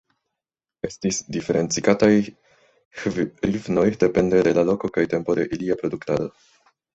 Estis diferencigataj hrivnoj depende de la loko kaj tempo de ilia produktado.